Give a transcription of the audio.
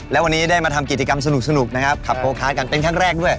และวันนี้ได้มาทำกิจกรรมสนุกนะครับขับโพคากันเป็นครั้งแรกด้วย